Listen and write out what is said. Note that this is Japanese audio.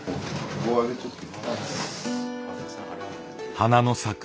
花の咲く